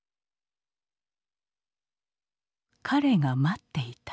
彼が待っていた。